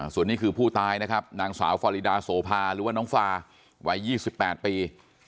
ส่วนนี้คือผู้ตายนะครับนางสาวฟารีดาโสภาหรือว่าน้องฟาวัย๒๘ปี